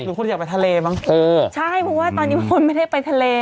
หรือคนที่อยากไปทะเลมั้ยคือใช่เพราะว่าตอนนี้คนไม่ได้ไปทะเล